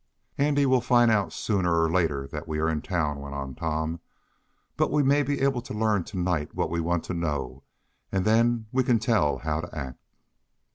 "Andy will find out, sooner or later, that we are in town," went on Tom, "but we may be able to learn to night what we want to know, and then we can tell how to act."